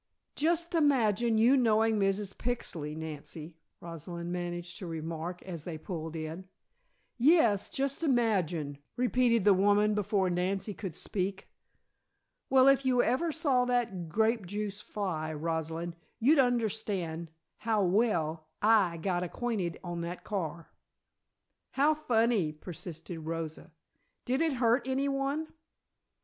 "Just imagine you knowing Mrs. Pixley, Nancy," Rosalind managed to remark as they pulled in. "Yes, just imagine!" repeated the woman before Nancy could speak. "Well, if you ever saw that grape juice fly, Rosalind, you'd understand how well I got acquainted on that car!" "How funny!" persisted Rosa. "Did it hurt anyone?"